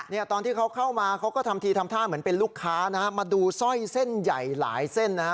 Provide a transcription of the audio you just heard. เนี่ยตอนที่เขาเข้ามาเขาก็ทำทีทำท่าเหมือนเป็นลูกค้านะฮะมาดูสร้อยเส้นใหญ่หลายเส้นนะฮะ